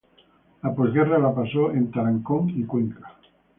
La posguerra la pasó en Tarancón y Cuenca.